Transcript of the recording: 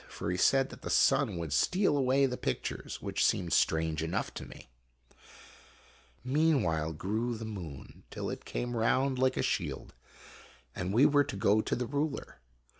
For he said that the sun would steal away the pictures which seemed strange enough to me. Meanwhile grew the moon, till it came round like a shield, and we were to go to the ruler.